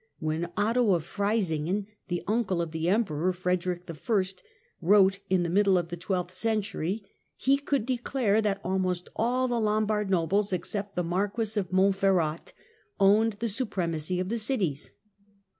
When Otto of Freisingen, the uncle of the Emperor Frederick L, wrote in the middle of the twelftli century, he could declare that almost all the Lombard nobles, except the Marquis of Montferrat, owned the supremacy of the cities.